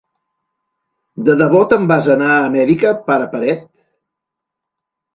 De debò te'n vas anar a Amèrica, pare paret?